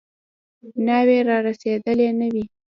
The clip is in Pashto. ناوې رارسېدلې نه وي.